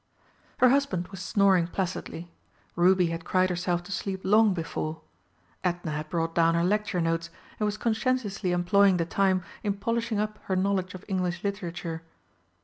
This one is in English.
Her husband was snoring placidly; Ruby had cried herself to sleep long before; Edna had brought down her lecture notes, and was conscientiously employing the time in polishing up her knowledge of English Literature.